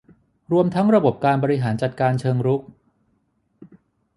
รวมทั้งระบบการบริหารจัดการเชิงรุก